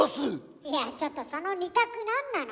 いやちょっとその２択なんなの？